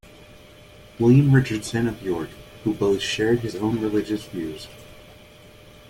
William Richardson of York, who both shared his own religious views.